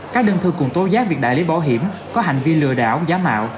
các đơn thư cũng tố giác việc đại lý bảo hiểm có hành vi lừa đảo giá mạo